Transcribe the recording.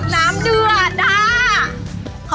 น้ำเดือดค่ะ